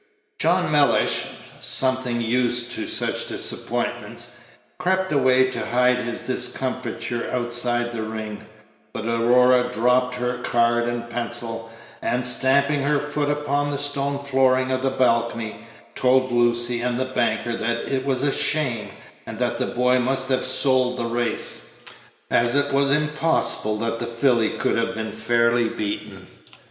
John Mellish, something used to such disappointments, crept away to hide his discomfiture outside the ring; but Aurora dropped her card and pencil, and, stamping her foot upon the stone flooring of the balcony, told Lucy and the banker that it was a shame, and that the boy must have sold the race, as it was impossible that the filly could have been fairly beaten.